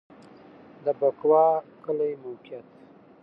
د بکوا کلی موقعیت